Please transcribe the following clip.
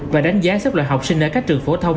và đánh giá xếp loại học sinh ở các trường phổ thông